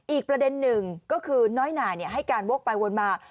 อีกประเด็นหนึ่งก็คือน้อยหน่ายให้การวกไปวนมา